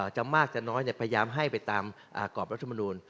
จะมากจะน้อยพยายามให้ไปตามกรอบรัฐมนูล